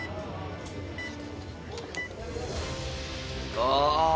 ああ。